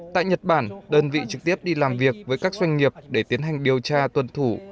tại nhật bản đơn vị trực tiếp đi làm việc với các doanh nghiệp để tiến hành điều tra tuân thủ